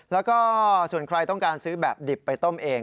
แล้วก็ส่วนใครต้องการซื้อแบบดิบไปต้มเอง